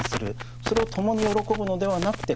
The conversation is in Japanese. それを共に喜ぶのではなくて悲しむ。